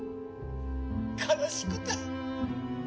悲しくて。